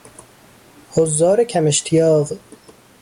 حضار کماشتیاق